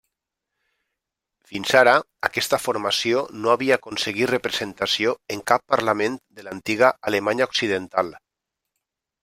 Fins ara, aquesta formació no havia aconseguit representació en cap parlament de l'antiga Alemanya Occidental.